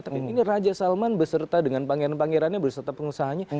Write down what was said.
tapi ini raja salman beserta dengan pangeran pangerannya berserta pengusahanya